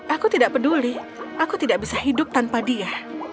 aku tidak peduli aku tidak bisa hidup tanpa dia